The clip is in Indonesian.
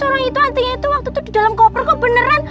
orang itu antingnya itu waktu itu di dalam kopernik kok beneran